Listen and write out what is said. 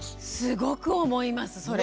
すごく思いますそれ。